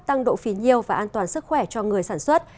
tăng độ phí nhiêu và an toàn sức khỏe cho người sản xuất